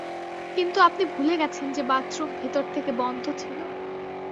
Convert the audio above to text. কিন্তু আপনি ভুলে গেছেন যে বাথরুম ভেতর থেকে বন্ধ ছিল।